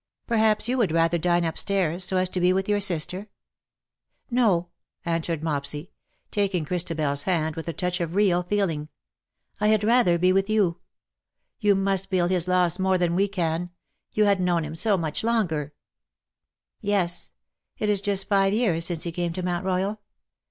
Perhaps you would rather dine upstairs, so as to be with your sister V '' No !'* answered Mopsy, taking Christabel's ^' YOURS ON MONDAY, GOD's TO DAY." 29 hand, with a touch of real feeling. " I had rather be with you. You must feel his loss more than we can — you had known him so much longer. ^^" Yes, it is just five years since he came to Mount E/Oyal.